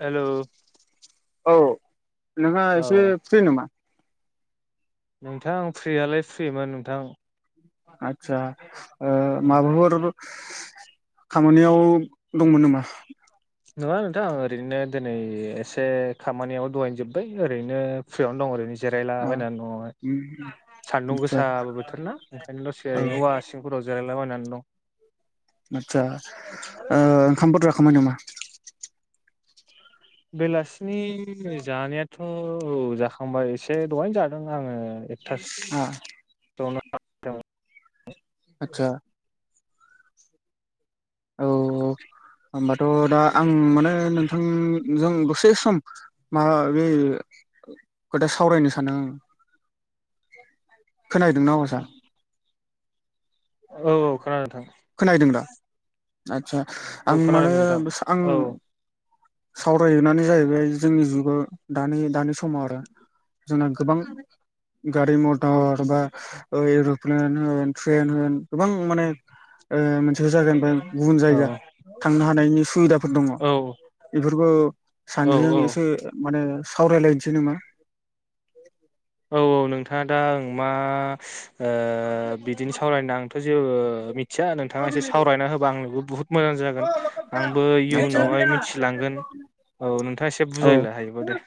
Hello औ नोंहा एसे अ फ्रि नामा? नोंथां फ्रियालाय फ्रिमोन नोंथां। आदसा ओ माबाफोर खामानियाव दंमोन नामा? नोंङा नोंथां ओरैनो दिनै एसे खामानियाबो दहायनोजोब्बाय ओरैनो फ्रियावनो दं ओरैनो जि जिरायला ओ बयनानै दंङ। उम सान्दुं आदसा गोसाबो बोथोर ना ओंखायनो दसे औ ओरैनो औवा सिंफोराव जिरायलाबायनानै दं। आदसा ओ ओंखामफोर‌ जाखांबाय नामा? बेलासिनि जानायाथ' औ जाखांबाय एसे दहायनो जादों आंङो ओ [unintelligible] आदसा औ होमबाथ' दा आं माने नोंथांजों दसे सम माबा बे खोथा सावरायनो सादों आंङो। खोनाहैदों ना आवासा? औ औ खोनादों नोंथां खोनहैदों दा आदसा औ आं खोनादों माने नोंथां आं औ सावरायगोनानो जाहैबाय जोंनि जुगाव दानि दानि समाव आरो। जोंना गोबां गारि मटर बा ओ एर'प्लेन होन ट्रेन होन गोबां माने ओ मोनसे जायगानिफ्राय गुबुन औ जायगा थांनो हानायनि सुबिदा फ फोर दङ औ इफोरबो औ सानैजों औ एसे माने सावराय लायनोसै नामा? औ औ नोंथांङा दा ओं मास ओ बिदिनो सावरायनो आंथ' जेबो मिथिया नोंथांङा एसे सावरायना होबा आंनोबो बुहुद मोजां जागोन आंबो इयुनावहाय आदसा मिथिलांगोन। औ नोंथांङा एसे औ बुजायलाय हायोबा दे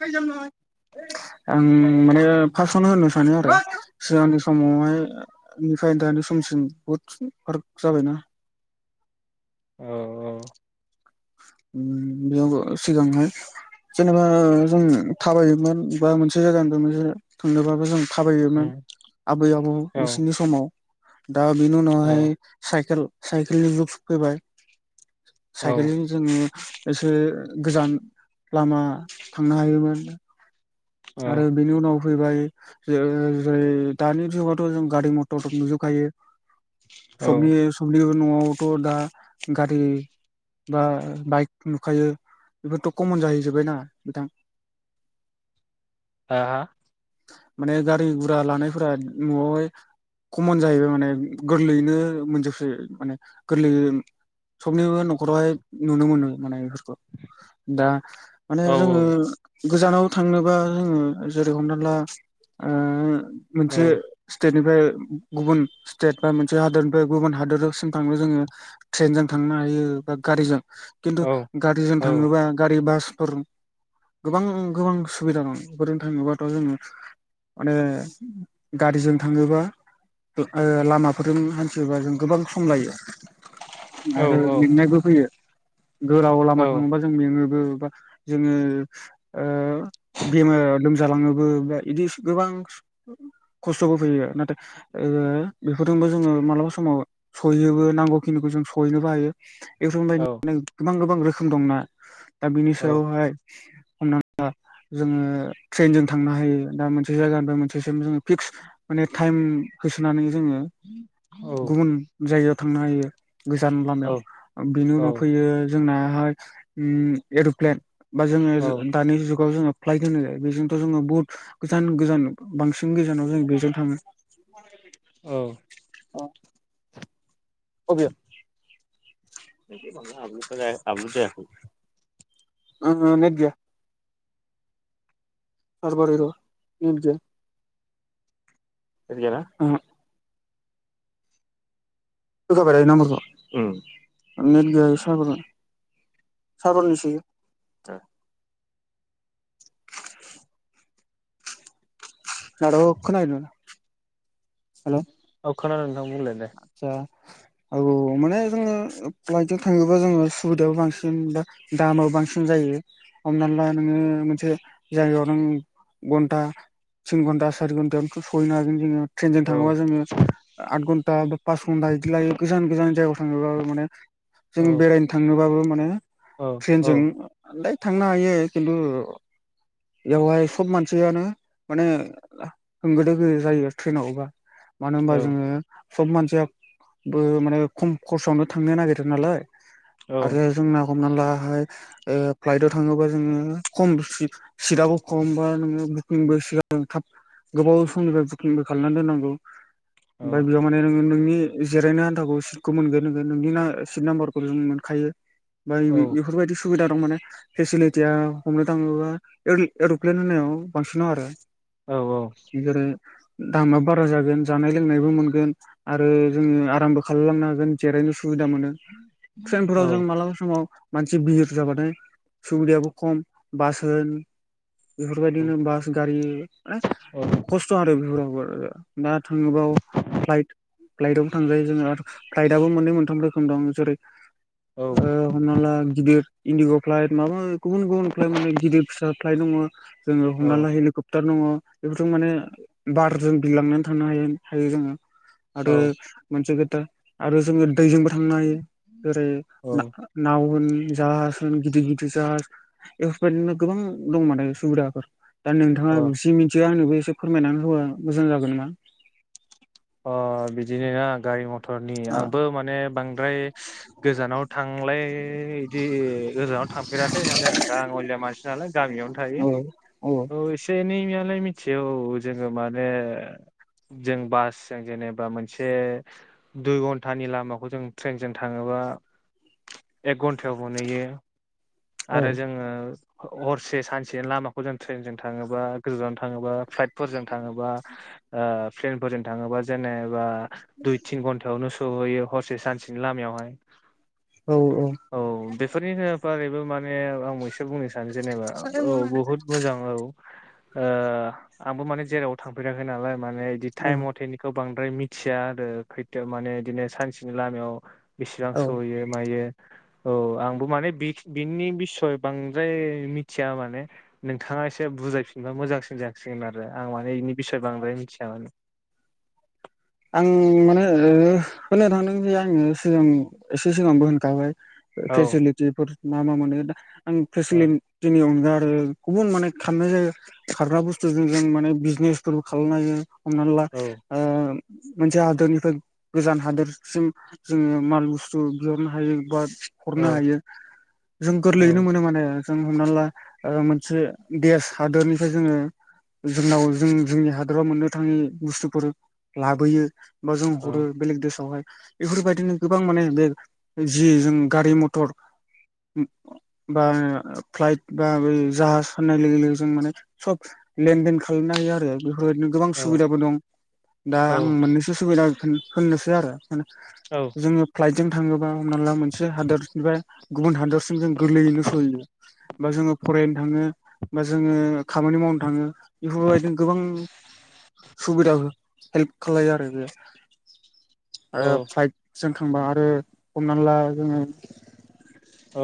आं आं माने फासावनो होननो सानो [unintelligible] आरो सिगांनि समावहाय ओ ओ इनिफ्राय दानि समसिम बुद सिन फाराक जाबायना औ औ उम बेयावबो सिगांहाय जेनेबा ओ ओ जों थाबायोमोन बा मोनसे जायगानिफ्राय मोनसे थांनोबाबो जों औ थाबायोमोन आबै आबौ बिसिनि समाव दा बेनि औ उनावहाय साइकेल साइकेलनि जुग सफैबाय औ साइकेलनि उम एसे गोजान लामा थांनो हायोमोन। औ आरो बेनि उनाव फैबाय जे ओ जै दानि जुगावथ' जों गारि मटर सब नुजोबखायो। औ सबनि सबनिबो नआवथ' दा गारि बा ओ बाइक नुखायो। बेफोरथ' कमन जाहैजोब्बाय ना नोंथां? हा हा माने गारि गुरा लानायफोरा न'आवहाय कमन जाहैबाय माने गोरलैयैनो मोनजोबसै माने गोरलैयै सबनिबो न'खरावहाय नुनो मोनो माने बेफोरखो दा माने औ जोङो गोजानाव थांनोबा जोङो जेरै हमना ला आ मोनसे औ स्टेटनिफ फ्राय गुबुन स्टेट बा मोनसे हादोरनिफ्राय गुबुन हादोरावसिम थांनो जोङो ट्रेनजों थांनो हाय हायो बा गारिजों खिन्थु औ गारिजों औ थाङोबा गारि बासफोर गोबां गोबां सुबिदा दं बेफोरजों थाङोबाथ' जोङो माने गारिजों थाङोबा गो ओ लामाफोरजों हान्थियोबा जों गोबां सम लायो। औ आरो मेंनायबो फैयो। गोलाव औ लामा थाङोबा जों मेङो। ओ बा जोङो ओ बेमार लोमजा लाङोबो बा इदिस गोबां ओंस गो ओ खस्थ'बो फैयो नाथाय ओ बेफोरजोंबो जोङो मालाबा समाव सहैयोबो नांगौ खिनिखौ जों सहैनो बो हायो बेफोर बायद नाय गोबां गोबां रोखोम दंना दा बिनि सायावहाय हमनानै ला जोङो ट्रेनजों थांनो हायो दा मोनसे जायगानिफ्राय मोनसेसिम जोङो फिक्स माने टाइम होसोनानै जोङो गुबुन जायगायाव थांनो हायो गोजान लामायाव‌ ओ बेनि औ उनाव फैयो जोंनाहाय उम एर'प्लेन बा जोङो जो औ दानि जुगाव जोङो फ्लाइट होनो बेजोंथ' जोङो बुहुत गोजान गोजान बांसिन गोजानाव जों बेजों थाङो औ अ अ अबे [unintelligible] ओ हो नेट गैया। सारभार इर'र‌ नेट गैया। [unintelligible] होखाबाय थायो नाम्बारखौ उम--नेट गैया सारभारा सारभारनिसो [unintelligible] हेल' औ खोनादों नोंथां बुंलाय दे। [unintelligible] औ माने जोङो प्लाइटजों थाङोबा जोङो सुबिदायाबो बांसिन बा दामाबो बांसिन जायो। हमना ला नोङो मोनसे जायगायाव नों घन्टा तिन घन्टा सारि घन्टायावनोथ' सहैनो हागोन जोङो ट्रेनजों औ थाङोबा जोङो आद घन टा पास घन्टा इदि लायो। गोजान गोजान जायगायाव थांनो बाबो माने जों औ बेरायनो थांनोबाबो औ औ थ्रेनजोंलाय थांनो हायो किन्तु बेवहाय सब मानसियानो माने होंगो दोंगो जायो थ्रेनावबा मानो होनबा जोङो सब मानसियाबो माने खम खरसावनो थांनो नागिरो नालाय। औ आरो जोंना हमना लाहाय ओ फ्लाइटआव थाङोबा जोङो खम [unintelligible] सिटाबो खम बा नोङो बुकिंबो सिगां थाब गोबाव समनिफ्राय बुकिंबो खालामनानै दोननांगौ ओमफ्राय औ बेयाव माने नोङो नोंनि जिरायनो आनथाखौ सितखौ मोनगोन नोङो नोंनि ना सित नाम्बारखौ जों मोनखायो। बाय औ बेफोरबायदि सुबिदा दं माने फेसिलिटिया हमनो थाङोबा एर'-एर'प्लेन होनायाव बांसिन नाङो आरो औ जेरै दामा बारा जागोन जानाय लोंनायबो मोनगोन आरो जोङो आरामबो खालामलांनो हागोन जिरायनो सुबिदा मोनो औ ट्रेनफोराव जों मालाबा समाव मानसि बिहिर जाबाथाय सुबिदायाबो खम बास होन बेफोरबायदिनो बास गारि माने खस्थ' आरो बेफोरावबो दा थाङोबाव फ्लाइट फ्लाइटआवबो थांजायो जोङो। फ्लाइटआबो मोननै मोनथाम रो खोम दं, जेरै औ ओ हमना ला गिदिर इन्दिग' फ्लाइट माबा माबि गुबुन गुबुन फ्लाइट मोनो गिदिर फिसा फ्लाइट दङ'। जोङो औ हमना ला हेलिकप्टार दङ'। बेफोरजों माने बारजों बिलांनानै थांनो हायो हायो जोङो। आरो औ मोनसे खोथा आरो जोङो दैजोंबो थांनो हायो। जेरै ना-नाव होन जाहाज होन गिदिर गिदिर जाहाज एफोरबायदिनो गोबां दं माने सुबिदाफोर। दा नोंथाङा औ जि मिथियो आंनोबो एसे फोरमायनानै होबा मोजां जागोन नोमा? अ बिदिनो ना गारि म थरनि औ आंबो माने बांद्राय गोजानाव थांलाय बिदि गोजानाव थांफेराखै माने आं गाङलिया मानसि नालाय गामियावनो थायो। औ औ थ' एसे एनै यालाय मिथिगौ जोङो माने जों बास जों जेनेबा मोनसे दुइ घन्टानि लामाखौ जों ट्रेनजों थाङोबा [unintelligible] एक घन्टायाव मोनहैयो औ आरो जोङो हरसे सानसेनि लामाखौ जों थ्रेनजों थाङोबा गोजानाव थाङोबा फ्लाइटफोरजों थाङोबा ओ फ्लेनफोरजों थाङोबा जेनेबा दुइ तिन घन्टायावनो सहैयो हरसे सानसेनि लामायावहाय। औ औ। बेफोरनि बारैबो माने आंबो एसे बुंनो सानो जेनेबा औ बहुत मोजां औ। ओ आंबो माने जेराव थांफेराखै नालाय माने इदि औ थाइम मथेनि बांद्राय मिथिया आरो खैथायाव माने इदिनो सानसेनि लामायाव बेसेबां औ सहैयो मायो। औ आंबो माने बिख बिनि बिसय बांद्राय मिथिया माने नोंथाङा ङा एसे बुजायफिनबा मोजांसिन जासिगोन आरो आं माने इनि बिसय बांद्राय मिथिया माने। आं मानो [unintelligible] होननो थांदों जे आङो सिगां एसे सिगांबो होनखाबाय। औ फेसिलिटिफोर मा मा मोनो दा, आं औ फेसिलिटिनि अनगा ओ गुबुन माने खारनाय जायो, खारग्रा बुस्थुजों जों माने बिजनेसफोरबो खालामनाय हमना ला, औ ओ मोनसे हादोरनिफ्राय गोजान हादोरसिम जोङो माल बुस्थु बिहरनो हायो बा हरनो औ हायो। जों गोरलैयैनो औ मोनो माने। जों हमना ला ओ मोनसे देस हादोरनिफ्राय जोङो जोंनाव जों जोंनि हादराव मोननो थाङि बुस्थुफोर लाबोयो बा जों हरो औ बेलेग देसावहाय, बेफोरबायदिनो गोबां माने बे जि जों गारि मथर बा फ्लाइट बा जाहाज होननाय लोगो लोगो जों माने सब लेनदेन खालामनो हायो आरो। बेफोरबायदिनो गोबां औ सुबिदाबो दं। दा आं मोननैसो सुबिदा होननोसो आरो औ जोङो फ्लाइटजों थाङोबा, हमना ला मोनसे हादरनिफ्राय गुबुन हादरसिम जों गोरलैयैनो सहैयो। बा जोङो फरायनो थाङो, बा जोङो खामानि मावनो थाङो बेफोरबायदिनो गोबां सुबिदा हेल्प खालायो आरो बे औ ओफाइटजों खांबा, आरो हमनानै ला जोङो औ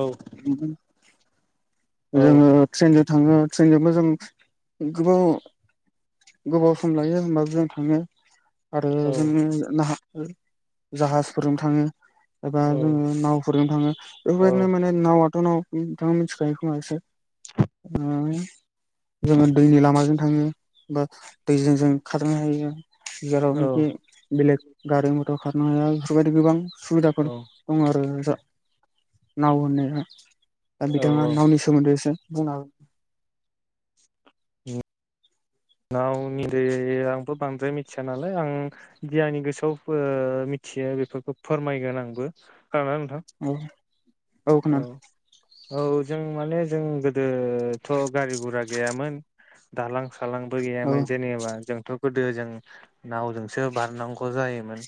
औ जोङो ट्रेनजों थाङो ट्रेनजोंबो जों गोबाव गोबाव सम लायो होमबाबो जों थाङो आरो जोनो जाहाजफोरजों थाङो एबा जोङो नावफोरजों थाङो, बेफोरबायदिनो माने नावाथ' नाव नोंथांङा मिथि खायो। ओ जोङो दैनि लामाजों थाङो, बा दैजों जों खारनो हायो। औ जेरावनोखि बेलेग गारि मथर खारनो हाया। बेफोरबायदि गोबां औ सुबिदाफोर दङ आरो नाव होननाया दा बिथाङा औ नावनि सोमोनदै एसे बुंना हो।। नावनि सोमोन्दै आंथ' बांद्राय मिथिया नालाय आं गियानि गोसोआव फो मि मिथियो बेफोरखौ फोरमायगोन आंबो खोनादों ना नोंथां? हागोन औ औ जों माने जों गोदोथ' गारि गुरा गैयामोन दालां खालांबो गैयामोन जेनेबा जोंथ' गोदो जों नावजोंसो बारनांगौ जायोमोन।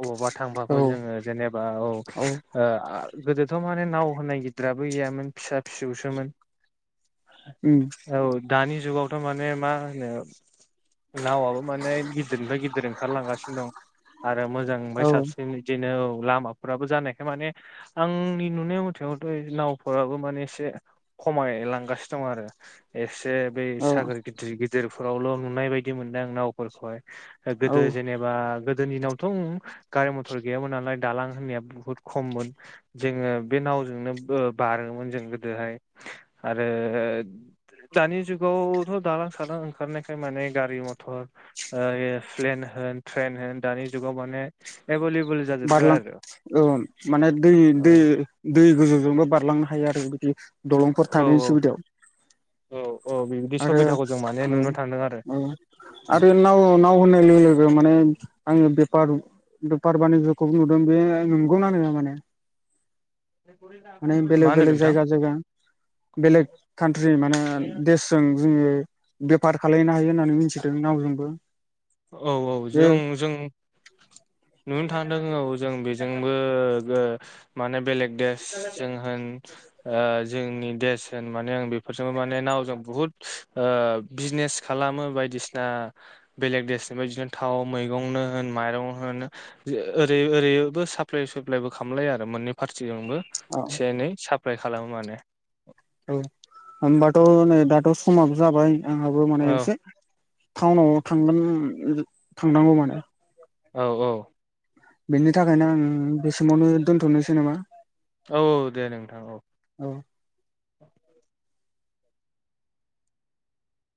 बबावबा थांबाबो औ जोङो जेनेबा औ ओ गोदो थ' माने नाव होनाय गिदिराबो गैयामोन फिसा फिसौसोमोन। उम औ दानि जुगावथ' माने मा होनो नावाबो माने गिदिरनिफ्राय गिदिर ओंखारलांगासिनो दं। आरो मोजांनिफ्राय औ साबसिन बिदिनो लामाफोराबो जानायखाय माने आं आंनि नुनाय मुथावावथ' नावफोराबो माने एसे खमायलांगासिनो दं आरो एसे एसे बै औ सागोर गिदिर गिदिरफोरावल' नुनाय बायदि मोनदों आं नावफोरखौहाय। औ गोदो जेनेबा गोदो दिनावथ' गारि मथर गैयामोन नालाय दालां होननाया बुहुत खममोन। जोङो बे नावजोंनो बारोमोन जों गोदोहाय आरो दानि जुगावथ' दालां सालां ओंखारनायखाय माने गारि मथर प्लेन ट्रेन होन दानि जुगाव माने एबेलेबोल बारलां औ माने दै औ दै दै गोजौजोंबो बारलांनो हायो आरो बिदि दलंफोर औ थानायनि सुबिदायाव। औ औ बिबायदि आरो सुबिदाखौ जों माने ओं नुनो थांदों आरो औ औ आरो नाव नाव होननाय लोगो लोगो माने आङो बेफार बेफार बानिज्यखौ नुदों बे नंगौना नङा माने माने मा बेलेग होनो बेलेक नोंथां जायगा जायगा बेलेक कान्ट्रि माने देश जों जोङो बेफार खालायनो हायो होननानै मिथिदों नावजोंबो औ औ जों बे जों नुनो थांदों औ जों बे जोंबो माने बेलेग देस जों होन ओ जोंनि देस होन माने आं बेफोरजोंबो माने नावजों बुहुत ओ बिजनेस खालामो बायदिसिना [inaudible] बेलेग देशनिफ्राय बिदिनो थाव मैगंनो होन माइरं होन ओरै ओरैबो साप्लाइ साप्लायबो खालामलायो आरो मोननै फारथिजोंबो एसे एनै साप्लाइ खालामो माने औ होमबाथ' नै दाथ' समाबो जाबाय आंहाबो औ माने एसे टाउनाव थांगोन थांनांगौ माने औ औ बेनि थाखायनो आं बे समावनो दोन्थ'नोसै नामा औ औ दे नोंथां औ औ